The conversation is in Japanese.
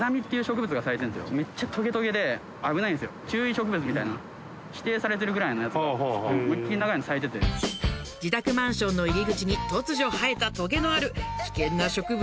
植物みたいな指定されてるぐらいのやつが思いっきり長いの咲いてて自宅マンションの入り口に突如生えたトゲのある危険な植物